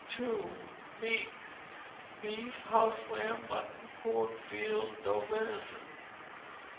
ii. Meat. Beef, house lamb, mutton, pork, veal, doe venison.